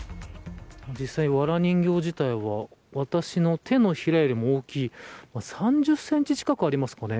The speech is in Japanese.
実際、わら人形自体は私の手のひらよりも大きい３０センチ近くありますかね。